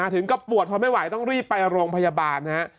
ถึงกับปวดทนไม่ไหวต้องรีบไปโรงพยาบาลฮะ